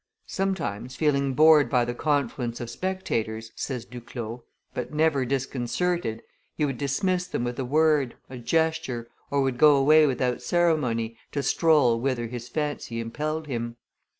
"Sometimes, feeling bored by the confluence of spectators," says Duclos, "but never disconcerted, he would dismiss them with a word, a gesture, or would go away without ceremony, to stroll whither his fancy impelled him.